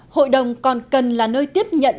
hội đồng còn cần là nơi tiếp nhận